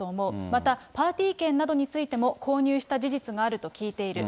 また、パーティー券などについても、購入した事実があると聞いている。